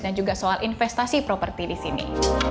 dan juga soal investasi properti di sini